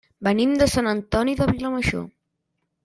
Venim de Sant Antoni de Vilamajor.